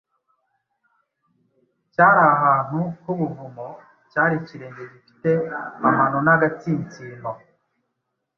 cyari ahantu h’ubuvumo, cyari ikirenge gifite amano n’agatsinsino.